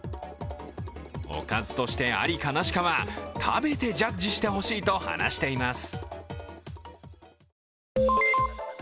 おかずのありかなしかは食べてジャッジしてほしいと話します。